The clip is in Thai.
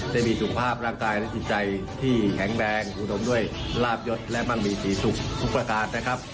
ได้มีสุขภาพร่างกายและจิตใจที่แข็งแรงอุดมด้วยลาบยศและมั่งมีสีสุขทุกประการนะครับ